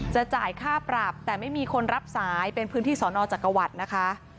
จะจ่ายค่าปรับแต่ไม่มีคนรับสายเป็นพื้นที่สอนอจักรวรรดินะคะ